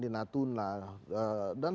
di natuna dan